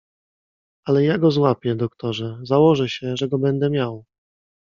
"Ale ja go złapię, doktorze; założę się, że go będę miał."